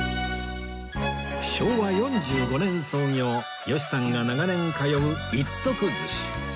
昭和４５年創業吉さんが長年通う一徳鮨